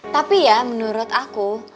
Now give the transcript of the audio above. tapi ya menurut aku